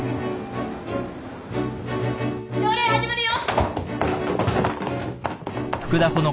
・朝礼始まるよ